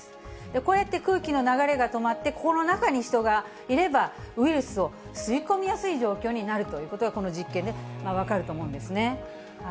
こうやって空気の流れが止まって、この中に人がいればウイルスを吸い込みやすい状況になるということが、この実験で分かると思うんですね。